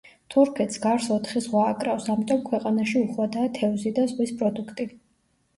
თურქეთს გარს ოთხი ზღვა აკრავს, ამიტომ ქვეყანაში უხვადაა თევზი და ზღვის პროდუქტი.